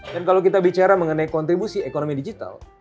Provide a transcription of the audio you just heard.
dan kalau kita bicara mengenai kontribusi ekonomi digital